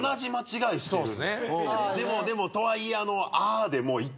でもでもとはいえ。